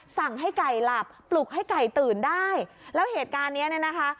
สั่งให้ไก่หลับปลุกให้ไก่ตื่นได้แล้วเหตุการณ์เนี้ยเนี่ยนะคะ